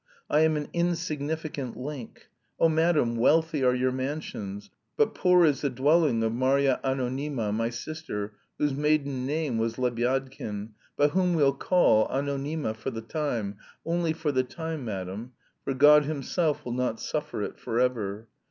I am an insignificant link. Oh, madam, wealthy are your mansions, but poor is the dwelling of Marya Anonyma, my sister, whose maiden name was Lebyadkin, but whom we'll call Anonyma for the time, only for the time, madam, for God Himself will not suffer it forever.